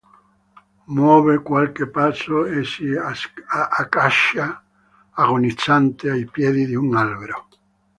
Muove qualche passo e si accascia agonizzante ai piedi di un albero.